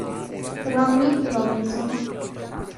Ronnie Robinson